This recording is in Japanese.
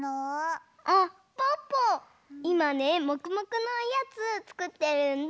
いまねもくもくのおやつつくってるんだ！